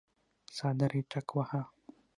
څادر يې ټکواهه.